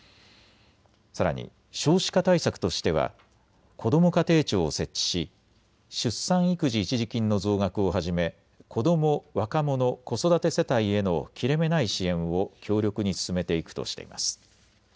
さらに少子化対策としてはこども家庭庁を設置し出産育児一時金の増額をはじめ子ども・若者・子育て世帯への切れ目ない支援を強力に進めていくとしています。